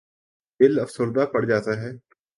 دل افسردہ پڑ جاتا ہے۔